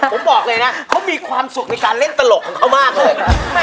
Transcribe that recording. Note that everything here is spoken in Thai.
ผมบอกเลยนะเขามีความสุขในการเล่นตลกของเขามากเลย